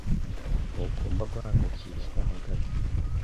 Ntugomba guhangayikishwa na gato